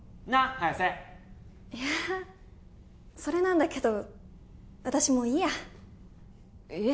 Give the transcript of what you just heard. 早瀬いやあそれなんだけど私もういいやえっ！？